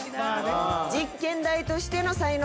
実験台としての才能。